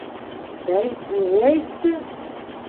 — Бәй, үҙе әйтте.